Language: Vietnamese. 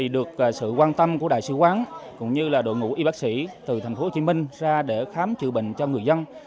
được sự quan tâm của đại sứ quán cũng như đội ngũ y bác sĩ từ tp hcm ra để khám chữa bệnh cho người dân